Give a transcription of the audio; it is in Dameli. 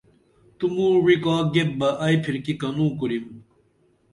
تو موں وعی کا گیپ بہ ائی پِھرکی کنوں کُرِم